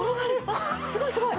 あっすごいすごい！